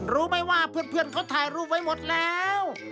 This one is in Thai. รู้ไหมว่าเพื่อนเขาถ่ายรูปไว้หมดแล้ว